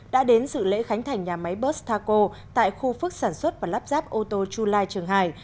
đã đến dự lễ khánh thành nhà máy bus taco tại khu phức sản xuất và lắp ráp ô tô chu lai trường hải